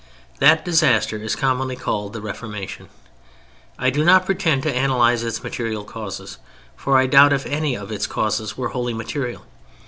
That disaster is commonly called "The Reformation." I do not pretend to analyze its material causes, for I doubt if any of its causes were wholly material.